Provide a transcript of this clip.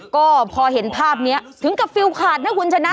ก็พอเห็นภาพนี้ถึงกับฟิลขาดนะคุณชนะ